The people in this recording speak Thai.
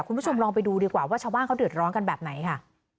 คุณผู้ชมลองไปดูดีกว่าว่าชาวบ้านเขาเดือดร้อนกันแบบไหนค่ะ